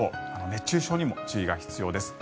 熱中症にも注意が必要です。